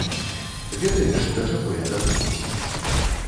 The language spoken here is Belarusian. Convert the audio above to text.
Ведаеш, да чаго я дадумаўся?